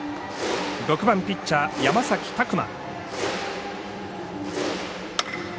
６番ピッチャー、山崎琢磨。